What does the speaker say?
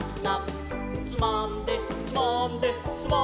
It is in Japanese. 「つまんでつまんでつまんでエイッ」